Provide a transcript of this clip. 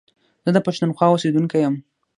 زه د پښتونخوا اوسېدونکی يم